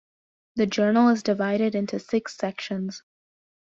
The journal is divided into six sections.